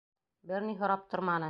Бер ни һорап торманы!